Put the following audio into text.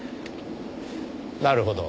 なるほど。